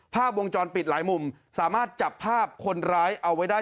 ภาพวงจรปิดหลายมุมสามารถจับภาพคนร้ายเอาไว้ได้